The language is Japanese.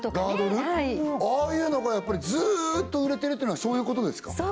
ああいうのがやっぱりずーっと売れてるっていうのはそういうことですか？